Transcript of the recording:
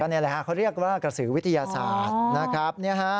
นี่แหละฮะเขาเรียกว่ากระสือวิทยาศาสตร์นะครับ